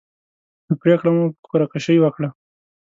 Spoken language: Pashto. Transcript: نو پرېکړه مو په قره کشۍ وکړه.